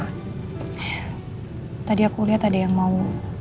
eh tadi aku lihat ada yang mau